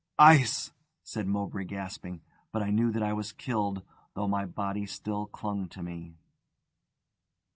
"Ice!" said Mowbray, gasping. But I knew that I was killed, though my body still clung to me.